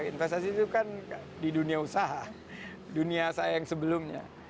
investasi itu kan di dunia usaha dunia saya yang sebelumnya